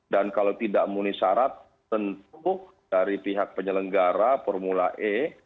dan kalau tidak muni syarat tentu dari pihak penyelenggara formula e